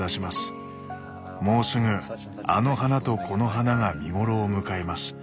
「もうすぐあの花とこの花が見頃を迎えます。